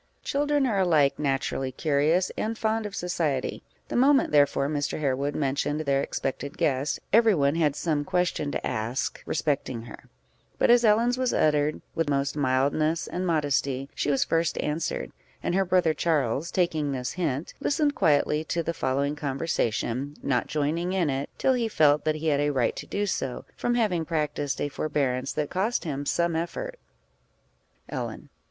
Children are alike naturally curious and fond of society; the moment, therefore, Mr. Harewood mentioned their expected guest, every one had some question to ask respecting her; but as Ellen's was uttered with most mildness and modesty, she was first answered; and her brother Charles, taking this hint, listened quietly to the following conversation, not joining in it, till he felt that he had a right to do so, from having practised a forbearance that cost him some effort. _Ellen.